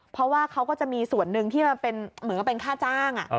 เพราะว่าเขาก็จะมีส่วนหนึ่งที่มันเป็นเหมือนกับเป็นค่าจ้าง